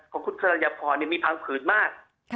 ของคุณสรยพรมีพังผืนมาก